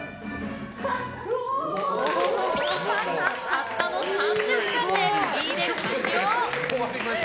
たったの３０分で振り入れ完了。